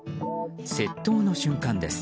窃盗の瞬間です。